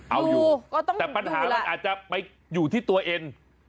เอาอยู่แต่ปัญหามันอาจจะไปอยู่ที่ตัวเอง